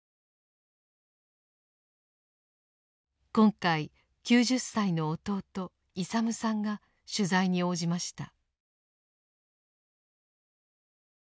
今回９０歳の弟勇さんが取材に応じました。